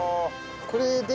これで。